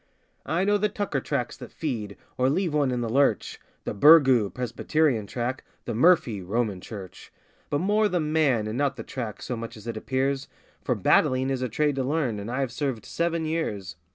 I know the tucker tracks that feed or leave one in the lurch The 'Burgoo' (Presbyterian) track the 'Murphy' (Roman Church) But more the man, and not the track, so much as it appears, For 'battling' is a trade to learn, and I've served seven years.